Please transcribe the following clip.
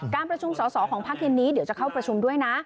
การประชุมสอสอของพักเย็นนี้เดี๋ยวจะเข้าประชุมด้วยนะ